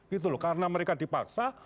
gitu loh karena mereka dipaksa